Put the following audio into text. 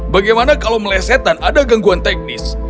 bagaimana kalau meleset dan ada gangguan teknis